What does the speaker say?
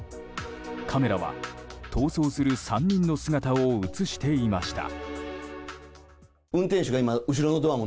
カメラは逃走する３人の姿を映していました。